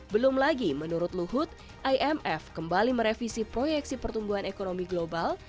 belum lagi menurut luhut imf kembali merevisi proyeksi pertumbuhan ekonomi global